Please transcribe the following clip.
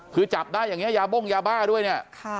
คือจับได้อย่างนี้ยาบ้งยาบ้าด้วยเนี่ย